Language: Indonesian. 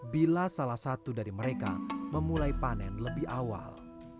bila salah satu dari mereka memulai panen lebih awal